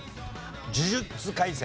『呪術廻戦』。